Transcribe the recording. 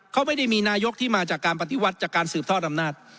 เขาไม่ได้มีนายกที่มาจากการปฏิวัติจากการสืบทอดอำนาจ